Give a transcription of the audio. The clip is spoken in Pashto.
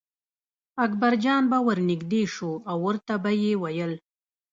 اکبرجان به ور نږدې شو او ورته به یې ویل.